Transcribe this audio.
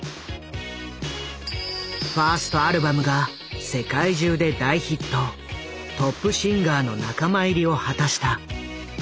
ファーストアルバムが世界中で大ヒットトップシンガーの仲間入りを果たした。